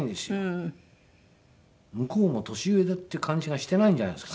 向こうも年上だっていう感じがしていないんじゃないですかね。